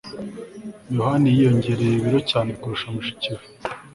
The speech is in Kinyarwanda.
yohani yiyongereye ibiro cyane kurusha mushiki we